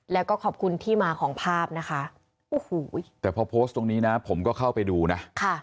แล้วก็ขอบคุณที่มาของภาพนะคะโอ้โหแต่พอโพสต์ตรงนี้นะผมก็เข้าไปดูนะ